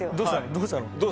どうしたの？